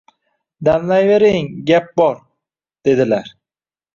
–Damlayvering, gap bor, – dedilar.